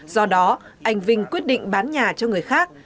do đó anh vinh quyết định bán nhà cho người khác